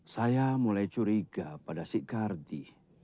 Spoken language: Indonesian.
saya mulai curiga pada si kardi